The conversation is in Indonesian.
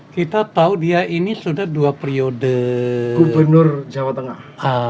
kita tahu dia ini sudah dua periode gubernur jawa tengah